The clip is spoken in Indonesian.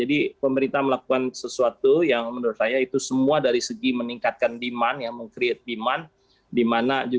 jadi pemerintah melakukan sesuatu yang menurut saya itu semua dari segi meningkatkan demand yang meng create demand